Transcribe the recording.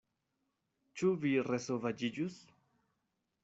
Ĉu vi resovaĝiĝus?